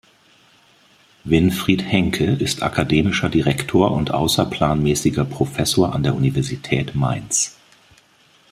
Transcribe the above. Winfried Henke ist Akademischer Direktor und außerplanmäßiger Professor an der Universität Mainz.